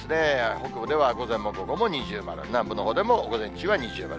北部では午前も午後も二重丸、南部のほうでも午前中は二重丸。